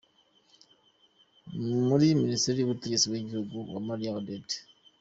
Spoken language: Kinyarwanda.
Muri Minisiteri y’Ubutegetsi bw’Igihugu: Uwamariya Odette.